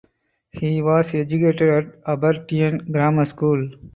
He was educated at Aberdeen Grammar School.